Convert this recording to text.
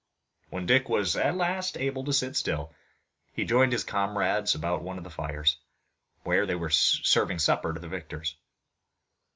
When Dick was at last able to sit still, he joined his comrades about one of the fires, where they were serving supper to the victors.